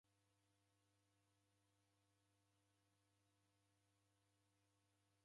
W'alimu efwana w'ikumbilo ngolo.